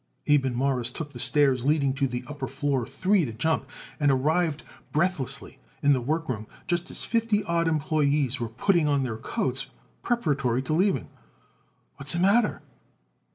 Abe and Morris took the stairs leading to the upper floor three at a jump, and arrived breathlessly in the workroom just as fifty odd employees were putting on their coats preparatory to leaving. "What's the matter?"